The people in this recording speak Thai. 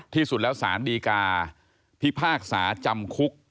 ที่สุดแล้วสารดีกาพิพากษาจำคุก